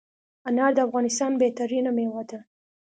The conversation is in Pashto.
انار دافغانستان بهترینه میوه ده